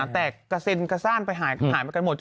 แตกกระซินกระซ่านไปหายไปกันหมด